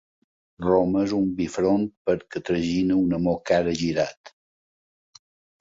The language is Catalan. Roma és un bifront perquè tragina un Amor caragirat.